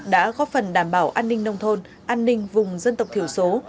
đã góp phần đảm bảo an ninh nông thôn an ninh vùng dân tộc thiểu số